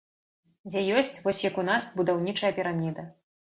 Дзе ёсць, вось як у нас, будаўнічая піраміда.